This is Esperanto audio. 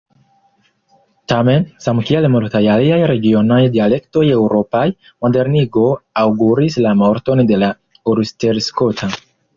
Tamen, samkiel multaj aliaj regionaj dialektoj eŭropaj, modernigo aŭguris la morton de la ulsterskota.